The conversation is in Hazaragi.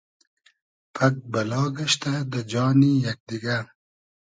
پئگ بئلا گئشتۂ دۂ جانی یئگ دیگۂ